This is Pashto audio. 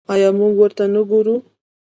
آیا موږ ورته نه ګورو؟